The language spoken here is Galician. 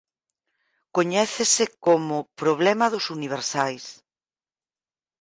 Coñécese como "problema dos universais".